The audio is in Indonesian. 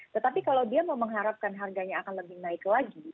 tetapi kalau dia mau mengharapkan harganya akan lebih naik lagi